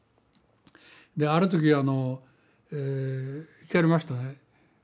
ある時聞かれましてね。